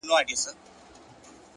o هسي نه هغه باور؛